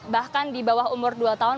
bahkan di bawah umur dua tahun